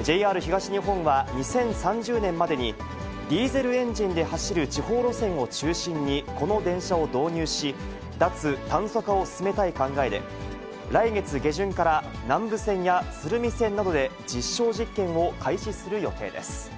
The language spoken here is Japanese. ＪＲ東日本は、２０３０年までに、ディーゼルエンジンで走る地方路線を中心にこの電車を導入し、脱炭素化を進めたい考えで、来月下旬から南武線や鶴見線などで実証実験を開始する予定です。